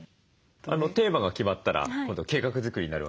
テーマが決まったら今度計画作りになるわけですよね。